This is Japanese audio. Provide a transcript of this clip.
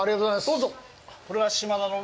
どうぞ。